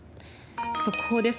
速報です。